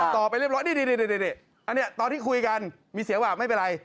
ต่อไปเรียบร้อยนี่อันนี้ตอนที่คุยกันมีเสียงว่าไม่เป็นไร